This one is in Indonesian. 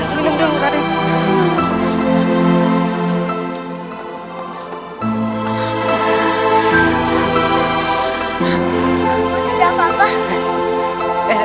aku tidak apa apa